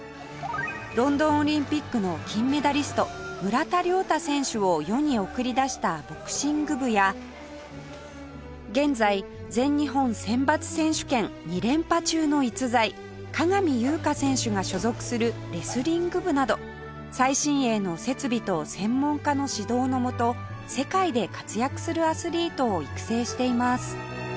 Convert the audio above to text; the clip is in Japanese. ロンドンオリンピックの金メダリスト村田諒太選手を世に送り出したボクシング部や現在全日本選抜選手権２連覇中の逸材鏡優翔選手が所属するレスリング部など最新鋭の設備と専門家の指導のもと世界で活躍するアスリートを育成しています